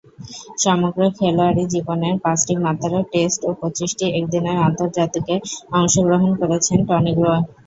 সমগ্র খেলোয়াড়ী জীবনে পাঁচটিমাত্র টেস্ট ও পঁচিশটি একদিনের আন্তর্জাতিকে অংশগ্রহণ করেছেন টনি গ্রে।